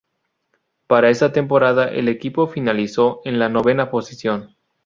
Para esta temporada el equipo finalizó en la novena posición.